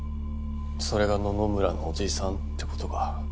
それが野々村のオジさんってことか。